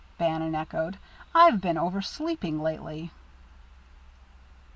Bannon echoed. "I've been oversleeping lately."